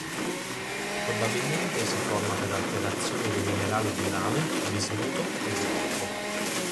Probabilmente si forma per alterazione dei minerali di rame, bismuto e zolfo.